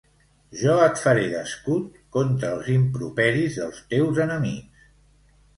Jo et faré d'escut contra els improperis dels teus enemics.